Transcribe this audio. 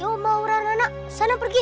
oh mau rana sana pergi